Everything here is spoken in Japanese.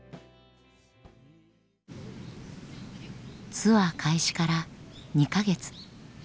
ツアー開始から２か月。